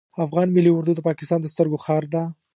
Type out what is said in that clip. افغان ملی اردو د پاکستان د سترګو خار ده